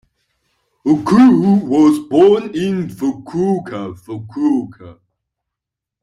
Oku was born in Fukuoka, Fukuoka.